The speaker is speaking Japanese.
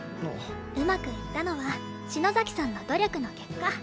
うまくいったのは篠崎さんの努力の結果。